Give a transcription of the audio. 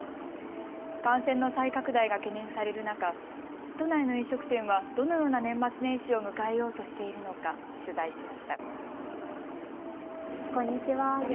感染の再拡大が懸念される中、都内の飲食店はどのような年末年始を迎えようとしているのか取材しました。